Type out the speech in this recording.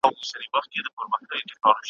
داسي ښکاري چي بېلېږي د ژوند لاره ,